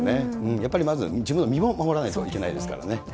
やっぱりまずは自分の身を守らないといけないですからね。